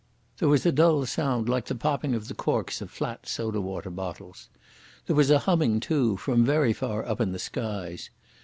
There was a dull sound like the popping of the corks of flat soda water bottles. There was a humming, too, from very far up in the skies.